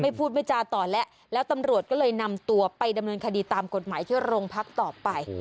พูดไม่จาต่อแล้วแล้วตำรวจก็เลยนำตัวไปดำเนินคดีตามกฎหมายที่โรงพักต่อไป